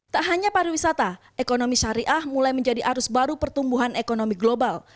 tak hanya pariwisata ekonomi syariah mulai menjadi arus baru pertumbuhan ekonomi global